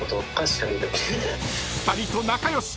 ［２人と仲良し］